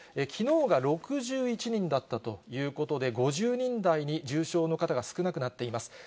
きのうが６１人だったということで、５０人台に、重症の方が少なくなっています。